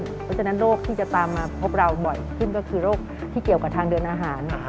เพราะฉะนั้นโรคที่จะตามมาพบเราบ่อยขึ้นก็คือโรคที่เกี่ยวกับทางเดินอาหาร